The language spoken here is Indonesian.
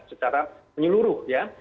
secara menyeluruh ya